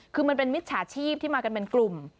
คือมันเป็นมิจฉาชีพที่มากันเป็นกลุ่ม